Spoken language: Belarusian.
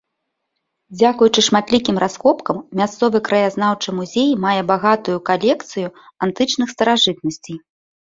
Дзякуючы шматлікім раскопкам, мясцовы краязнаўчы музей мае багатую калекцыяю антычных старажытнасцей.